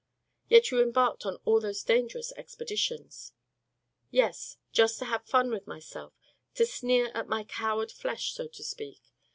"Yet you embarked on all those dangerous expeditions." "Yes, just to have fun with myself; to sneer at the coward flesh, so to speak.